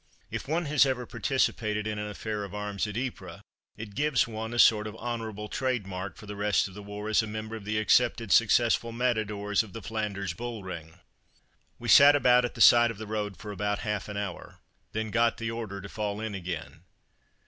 If one has ever participated in an affair of arms at Ypres, it gives one a sort of honourable trade mark for the rest of the war as a member of the accepted successful Matadors of the Flanders Bull ring. We sat about at the side of the road for about half an hour, then got the order to fall in again.